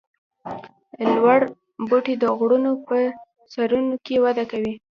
لوړ بوټي د غرونو په سرونو کې وده کوي